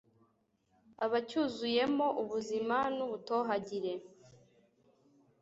aba acyuzuyemo ubuzima n’ubutohagire